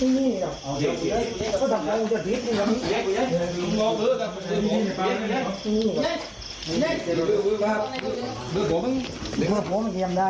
เมื่อโป๊ะมันเตรียมได้